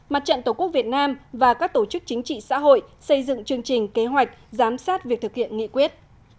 mặt trận tổ quốc việt nam và các tổ chức chính trị xã hội xây dựng chương trình kế hoạch giám sát việc thực hiện nghị quyết